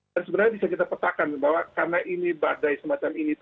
dan sebenarnya bisa kita petakan bahwa karena ini badai semacam ini